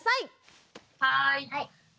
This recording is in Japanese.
はい。